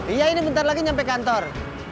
iya ini bentar lagi nyampe kantor